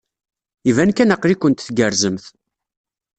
Iban kan aql-ikent tgerrzemt.